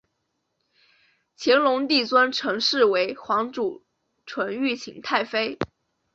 乾隆帝尊陈氏为皇祖纯裕勤太妃。